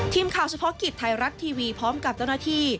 ทีมข่าวเฉพาะกิจไทรรัชทีวีพร้อมกับเจ้าหน้าที่